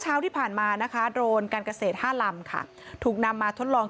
เช้าที่ผ่านมานะคะโดรนการเกษตรห้าลำค่ะถูกนำมาทดลอง